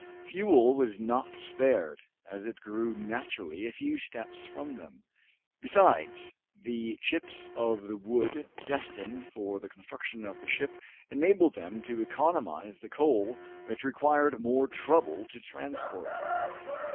Fuel was not spared, as it grew naturally a few steps from them. Besides, the chips of the wood destined for the construction of the ship enabled them to economize the coal, which required more trouble to transport.